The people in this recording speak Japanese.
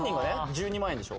１２万円でしょ